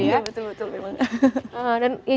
iya betul betul memang